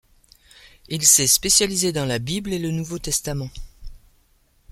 Il s'est spécialisé dans la Bible et le Nouveau Testament.